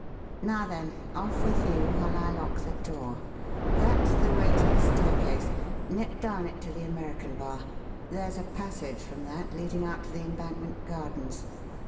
Now then, off with you while I lock the door. That's the way to the staircase. Nip down it to the American bar. There's a passage from that leading out to the Embankment Gardens.